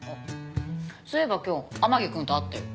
そういえば今日天樹くんと会ったよ。